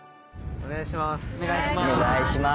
お願いします。